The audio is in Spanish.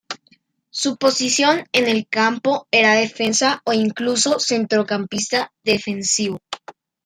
Su posición en el campo era defensa o incluso centrocampista defensivo.